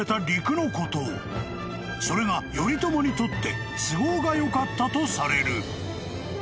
［それが頼朝にとって都合が良かったとされる］